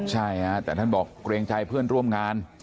ใช่ฮะแต่ท่านบอกเกรงใจเพื่อนร่วมงาน